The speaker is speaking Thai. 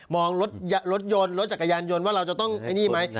รถยนต์รถจักรยานยนต์ว่าเราจะต้องไอ้นี่ไหม